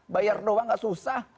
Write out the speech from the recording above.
biar doang nggak susah